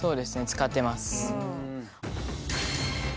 使ってます。